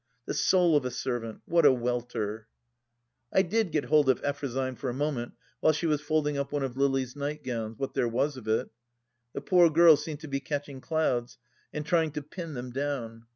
The soul of a servant ! What a welter ! I did get hold of Effrosyne for a moment while she was folding up one of Lily's nightgowns — ^what there was of it. The poor girl seemed to be catching clouds, and trying to pin them down.